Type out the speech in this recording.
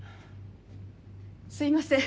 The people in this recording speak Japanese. すいません。